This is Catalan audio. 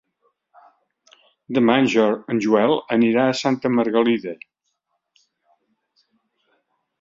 Demà en Joel irà a Santa Margalida.